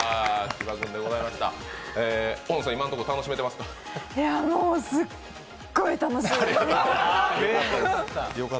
今のところ楽しめてますか？